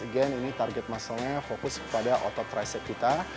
again ini target musclenya fokus pada otot tricep kita